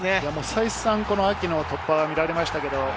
再三アキの突破が見られました。